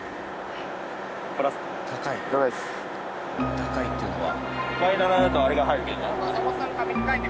「高い」っていうのは？